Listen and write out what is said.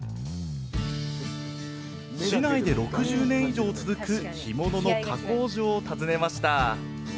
市内で６０年以上続く干物の加工場を訪ねました